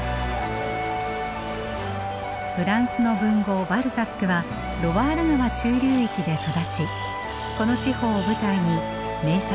フランスの文豪バルザックはロワール川中流域で育ちこの地方を舞台に名作